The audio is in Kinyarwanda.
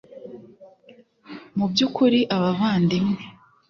Mu by ukuri abavandimwe